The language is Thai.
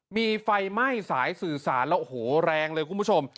มีไฟไหม้สายสื่อสารแล้วโอ้โหแรงเลยคุณผู้ชม